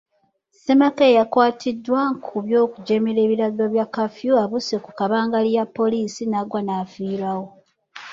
Ssemaka eyakwatiddwa ku by'okujeemera ebiragiro bya kaafiyu abuuse ku kabangali ya Poliisi naggwa naafiirawo.